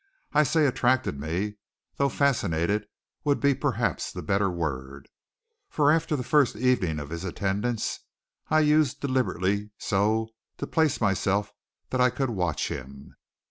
I say attracted me, though fascinated would be perhaps the better word, for after the first evening of his attendance I used deliberately so to place myself that I could watch him.